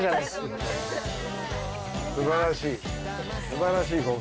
すばらしい。